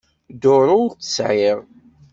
Duṛu ur tt-sεiɣ.